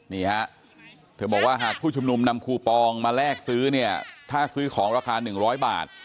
นี่ฮะเธอบอกว่าหากผู้ชุมนุมนำคูปองมาแลกซื้อเนี่ยถ้าซื้อของราคา๑๐๐บาท